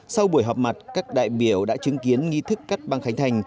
sau buổi họp mặt các đại biểu đã chứng kiến nghi thức cắt băng khánh thành